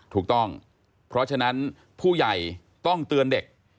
ถูกต้องเพราะฉะนั้นผู้ใหญ่ต้องเตือนเด็ก